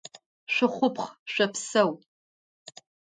Шъухъупхъ, шъопсэу!